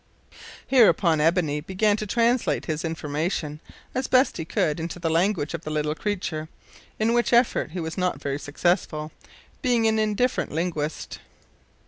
Hereupon Ebony began to translate his information as he best could into the language of the little creature, in which effort he was not very successful, being an indifferent linguist.